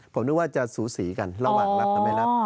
ผมนึกว่าจะสูสีกันระหว่างรับหรือไม่รับ